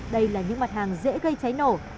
đây là những mặt hàng dễ gây cháy nổ